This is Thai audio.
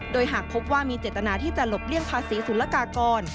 โดยหากพบว่ามีเจตนาที่จะหลบเลี่ยงภาษีศุลกากร